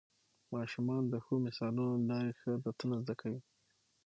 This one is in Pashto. ماشومان د ښو مثالونو له لارې ښه عادتونه زده کوي